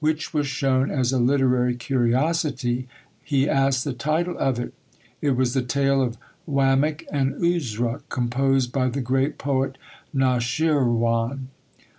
which was shown as a literary curiosity, he asked the title of it it was the tale of Wamick and Oozra, composed by the great poet Noshirwan.